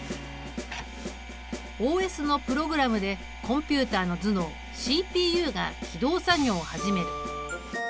ＯＳのプログラムでコンピュータの頭脳ＣＰＵが起動作業を始める。